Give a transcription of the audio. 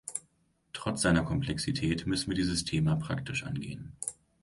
Trotz seiner Komplexität müssen wir dieses Thema praktisch angehen.